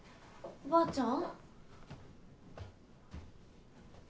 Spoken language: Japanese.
おばあちゃん？